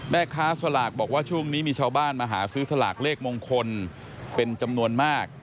แม่ค้าสลากบอกว่าช่วงนี้มีชาวบ้านมาหาซื้อสลากเลขมงคลเป็นจำนวนมาก